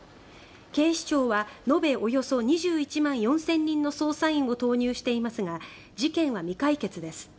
警視庁は延べおよそ２１万４０００人の捜査員を投入していますが事件は未解決です。